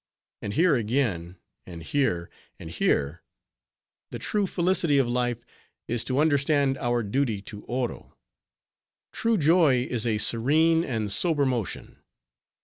And here again, and here, and here:—The true felicity of life is to understand our duty to Oro.'—'True joy is a serene and sober motion.